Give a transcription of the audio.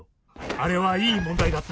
あれはいい問題だった。